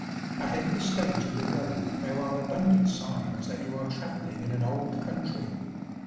At every stage of the road there are abundant signs that you are travelling in an old country.